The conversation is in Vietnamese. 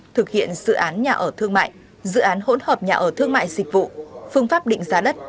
thực hiện dự án nhà ở thương mại dự án hỗn hợp nhà ở thương mại dịch vụ phương pháp định giá đất